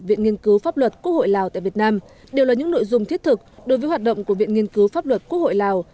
viện nghiên cứu pháp luật quốc hội lào tại việt nam đều là những nội dung thiết thực đối với hoạt động của viện nghiên cứu pháp luật quốc hội lào